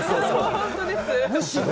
本当です。